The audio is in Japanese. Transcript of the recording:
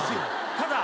ただ。